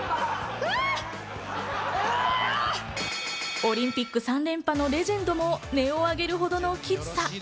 オリンピック３連覇のレジェンドも音を上げるほどのきつさ。